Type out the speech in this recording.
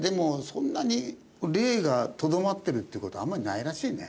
そんなに霊がとどまってるっていう事はあんまりないらしいね。